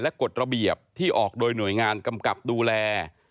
กฎระเบียบที่ออกโดยหน่วยงานกำกับดูแล